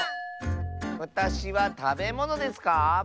わたしはたべものですか？